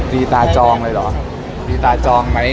มีตาจองเลยเหรอมีตาจองไหม